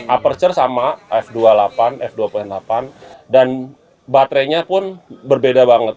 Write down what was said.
aperture sama f dua delapan dan baterai nya pun berbeda banget